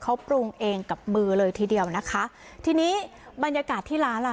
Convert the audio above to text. เขาปรุงเองกับมือเลยทีเดียวนะคะทีนี้บรรยากาศที่ร้านล่ะ